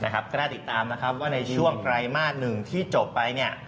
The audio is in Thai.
ก็ได้ติดตามนะครับว่าในช่วงไกรมาสหนึ่งที่จบไป